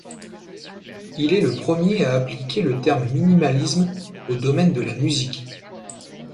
Il est le premier à appliquer le terme minimalisme au domaine de la musique.